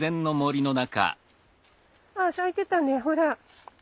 あ咲いてたねほら。